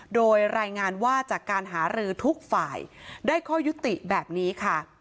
โดยรายงานว่าจากการหารือทุกฝ่ายได้ข้อยุติแบบนี้ค่ะ